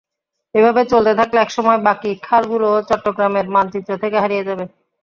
এভাবে চলতে থাকলে একসময় বাকি খালগুলোও চট্টগ্রামের মানচিত্র থেকে হারিয়ে যাবে।